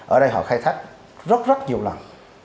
ở đây họ khai thác rất rất nhiều lần